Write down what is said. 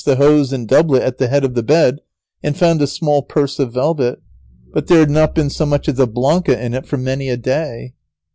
I quickly searched the hose and doublet at the head of the bed, and found a small purse of velvet, but there had not been so much as a blanca in it for many a day.